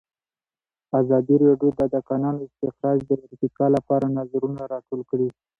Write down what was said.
ازادي راډیو د د کانونو استخراج د ارتقا لپاره نظرونه راټول کړي.